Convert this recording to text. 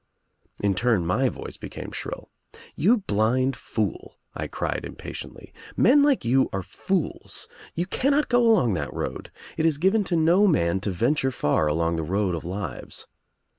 In turn my voice became shrill. "You blind fool," I cried impatiently. "Men like you are fools. You cannot go along that road. It is given to no man to venture far along the road of lives."